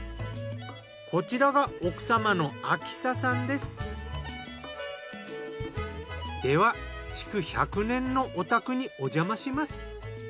こちらがでは築１００年のお宅におじゃまします！